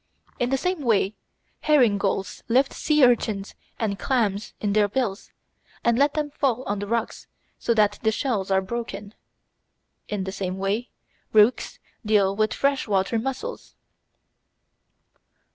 In the same way herring gulls lift sea urchins and clams in their bills, and let them fall on the rocks so that the shells are broken. In the same way rooks deal with freshwater mussels.